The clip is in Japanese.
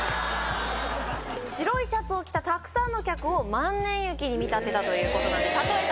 白いシャツを着たたくさんの客を万年雪に見立てたという例えたんですよね